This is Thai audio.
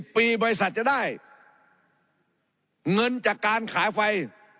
ปีบริษัทจะได้เงินจากการขายไฟ